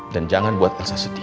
dan jangan buat elsa sedih